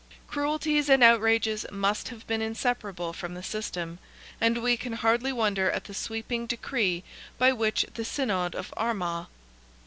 Cruelties and outrages must have been inseparable from the system, and we can hardly wonder at the sweeping decree by which the Synod of Armagh (A.